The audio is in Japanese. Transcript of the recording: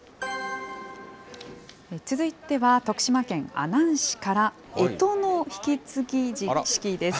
続いては、徳島県阿南市から、えとの引き継ぎ式です。